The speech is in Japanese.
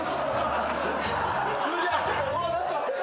うわ何か。